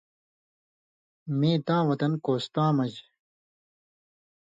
مِیں تاں وطن کوستاں مژ